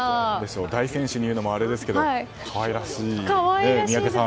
大選手にいうのもあれですけど可愛らしい。